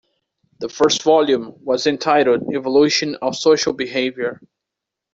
The first volume was entitled "Evolution of Social Behaviour".